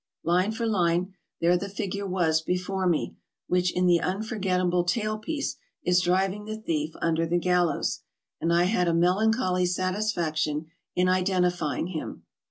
Line for line, there the figure was before me, which in the unforgetable tail piece is driving the thief under the gallows, and I had a melancholy satisfaction in identifying him.